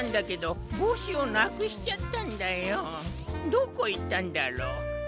どこいったんだろう？